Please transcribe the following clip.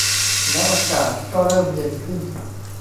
แล้วอากาศก็เริ่มเย็นขึ้น